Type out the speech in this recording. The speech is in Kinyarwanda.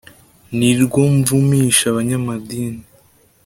nirwo mvumisha abanyamadini